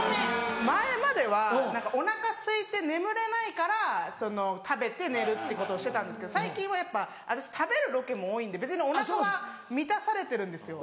前まではお腹すいて眠れないから食べて寝るってことをしてたんですけど最近は私食べるロケも多いんで別にお腹は満たされてるんですよ。